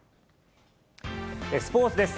スポーツです。